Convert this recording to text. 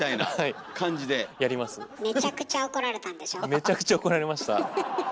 めちゃくちゃ怒られたんでしょ？